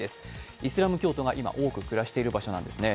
イスラム教徒が今多く暮らしている場所なんですね。